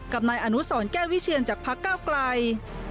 กับนายอนุสรแก้ววิเชียนจากพักเก้าไกล